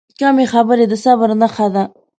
کمې خبرې، د صبر نښه ده.